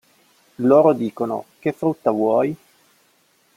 Loro dicono:"che frutta vuoi?